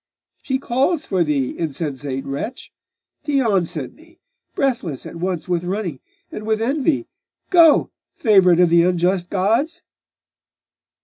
'She calls for thee, insensate wretch! Theon sent me breathless at once with running and with envy Go! favourite of the unjust gods!